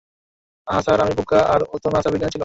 হ্যাঁ স্যার, আমি বোকা, আর ও তো নাসার বিজ্ঞানী ছিল।